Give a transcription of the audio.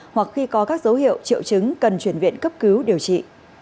hoặc khi có các dấu hiệu triệu chứng cần chuyển viện cấp cứu điều trị